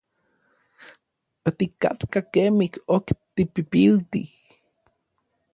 Otikatkaj kemij ok tipipiltij.